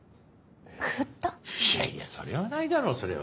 いやいやそれはないだろそれは。